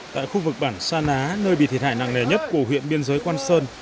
tại khu vực bản sa ná nơi bị thiệt hại nặng nề nhất của huyện biên giới quan sơn